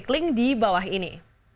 link di bawah ini